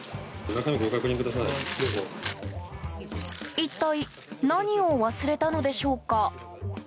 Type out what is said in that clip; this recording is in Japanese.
一体何を忘れたのでしょうか。